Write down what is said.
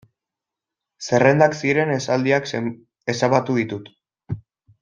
Zerrendak ziren esaldiak ezabatu ditut.